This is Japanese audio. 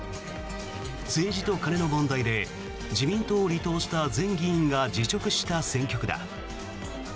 政治と金の問題で自民党を離党した前議員が辞職した選挙区だ。